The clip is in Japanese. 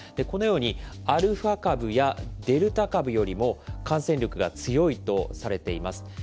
このように、アルファ株やデルタ株よりも感染力が強いとされています。